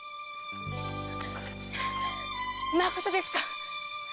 まことですか！？